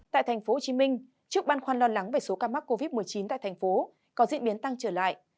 tại tp hcm trước băn khoăn lo lắng về số ca mắc covid một mươi chín tại thành phố có diễn biến tăng trở lại